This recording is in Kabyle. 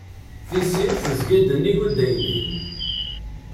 Tisi tezga-d nnig uddaynin.